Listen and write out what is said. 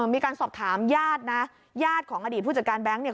มีการสอบถามญาตินะญาติของอดีตผู้จัดการแบงค์เนี่ย